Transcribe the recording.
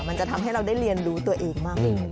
มันจะทำให้เราได้เรียนรู้ตัวเองมากขึ้น